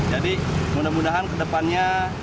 jadi mudah mudahan ke depannya